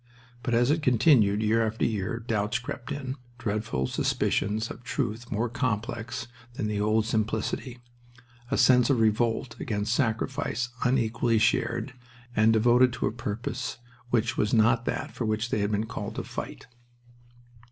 But as it continued year after year doubts crept in, dreadful suspicions of truth more complex than the old simplicity, a sense of revolt against sacrifice unequally shared and devoted to a purpose which was not that for which they had been called to fight.